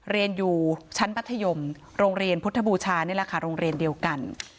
เรียนอยู่ชั้นมัธยมโรงเรียนพุทธบูชานี่แหละค่ะโรงเรียนเดียวกัน